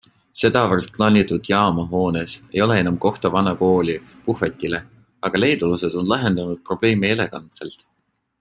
Sedavõrd klanitud jaamahoones ei ole enam kohta vana kooli puhvetile, aga leedulased on lahendanud probleemi elegantselt.